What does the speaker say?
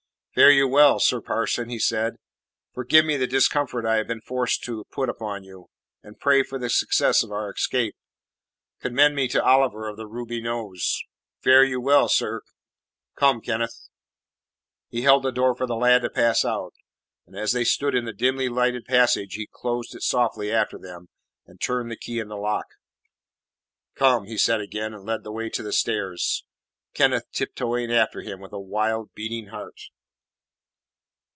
"Fare you well, sir parson," he said. "Forgive me the discomfort I have been forced to put upon you, and pray for the success of our escape. Commend me to Oliver of the ruby nose. Fare you well, sir. Come, Kenneth." He held the door for the lad to pass out. As they stood in the dimly lighted passage he closed it softly after them, and turned the key in the lock. "Come," he said again, and led the way to the stairs, Kenneth tiptoeing after him with wildly beating heart.